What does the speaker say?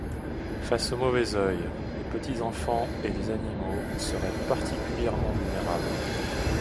Face au mauvais œil, les petits enfants et les animaux seraient particulièrement vulnérables.